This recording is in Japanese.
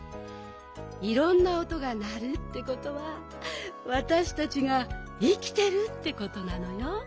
いろんなおとがなるってことはわたしたちがいきてるってことなのよ。